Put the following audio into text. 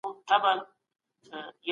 موږ باید د علم په زیور سمبال سو.